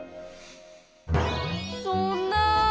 そんなあ。